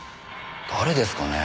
誰ですかね？